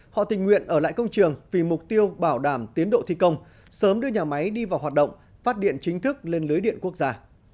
họ tình nguyện ở lại công trường vì mục tiêu bảo đảm tiến độ thi công sớm đưa nhà máy đi vào hoạt động phát điện chính thức lên lưới điện quốc gia